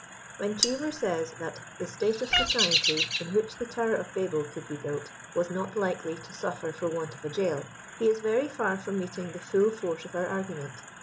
When Cheever says that " the state of Society in which the tower of Babel could be built, was not likely tO; suffer for want of a jail," he is very far from meeting the full force of our argument.